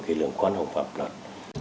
cái lượng quan hồng pháp luật